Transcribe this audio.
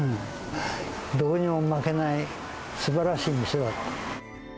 どこにも負けない、すばらしい店だった。